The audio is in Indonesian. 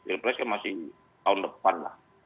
wapresnya masih tahun depan lah